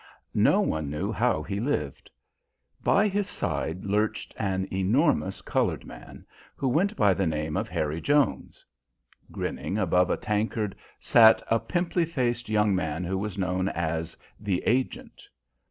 No one knew how he lived. By his side lurched an enormous coloured man who went by the name of Harry Jones. Grinning above a tankard sat a pimply faced young man who was known as The Agent.